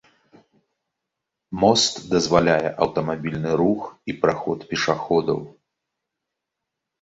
Мост дазваляе аўтамабільны рух і праход пешаходаў.